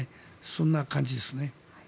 そんな感じですね。